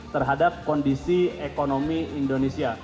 terhadap kondisi ekonomi indonesia